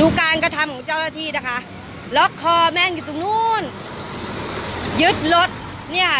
ดูการกระทำของเจ้าหน้าที่นะคะล็อกคอแม่งอยู่ตรงนู้นยึดรถเนี่ยค่ะ